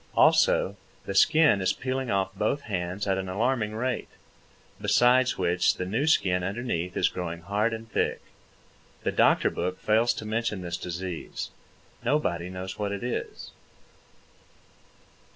Also, the skin is peeling off both hands at an alarming rate, besides which the new skin underneath is growing hard and thick. The doctor book fails to mention this disease. Nobody knows what it is.